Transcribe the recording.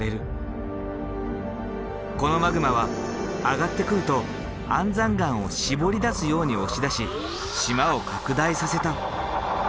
このマグマは上がってくると安山岩をしぼり出すように押し出し島を拡大させた。